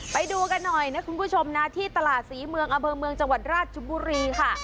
ไปดูกันหน่อยนะคุณผู้ชมนะที่ตลาดศรีเมืองอำเภอเมืองจังหวัดราชบุรีค่ะ